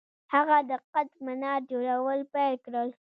هغه د قطب منار جوړول پیل کړل.